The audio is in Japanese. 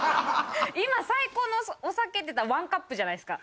今最高のお酒っていったらワンカップじゃないっすか。